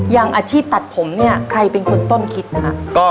อย่างอาชีพตัดผมเนี่ยใครเป็นคนต้นคิดนะฮะ